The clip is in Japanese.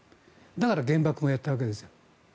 だから原爆もやったわけです。